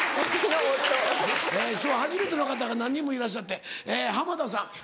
今日は初めての方が何人もいらっしゃって濱田さん。